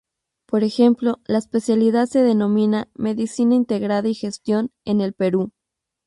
Por ejemplo, la especialidad se denomina "Medicina Integrada y Gestión" en el Perú.